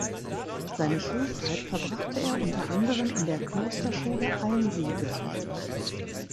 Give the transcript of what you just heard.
Seine Schulzeit verbrachte er unter anderem in der Klosterschule Einsiedeln.